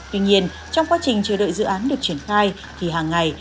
tuy nhiên trong quá trình chờ đợi dự án được triển khai thì hàng ngày